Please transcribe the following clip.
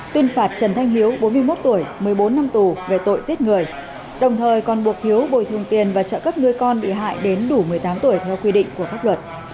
tuyên phạt trần thanh hiếu bốn mươi một tuổi một mươi bốn năm tù về tội giết người đồng thời còn buộc hiếu bồi thường tiền và trợ cấp nuôi con bị hại đến đủ một mươi tám tuổi theo quy định của pháp luật